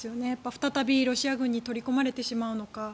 再びロシア軍に取り込まれてしまうのか。